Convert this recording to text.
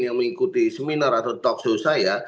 yang mengikuti seminar atau talkshow saya